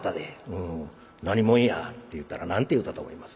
「うん何者や？」って言うたら何て言うたと思います？